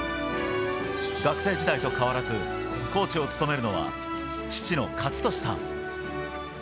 学生時代と変わらず、コーチを務めるのは、父の健智さん。